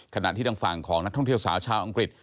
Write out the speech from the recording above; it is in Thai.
ขณะที่ทางฝั่งของนักท่องเที่ยวสาวชาวอังกฤษ